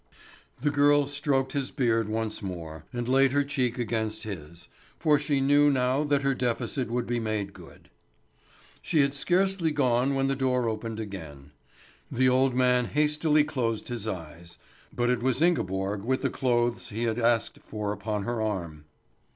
The girl stroked his beard once more, and laid her cheek against his, for she knew now that her deficit would be made good. She had scarcely gone when the door opened again. The old man hastily closed his eyes; but it was Ingeborg with the clothes he had asked for upon her arm.